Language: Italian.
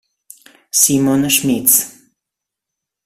Simon Schmitz